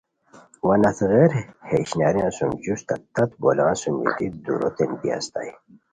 وا نست غیر ہے اشناریان سُم جوستہ تت بولان سُم بیتی تان دُوروتے بی استائے